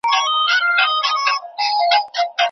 اوس به روژې د ابوجهل په نارو ماتوو